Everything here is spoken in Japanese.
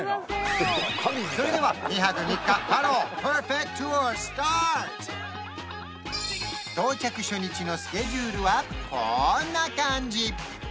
それでは到着初日のスケジュールはこんな感じ